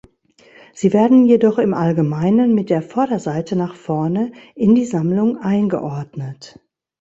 Sie werden jedoch im allgemeinen mit der Vorderseite nach vorne in die Sammlung eingeordnet.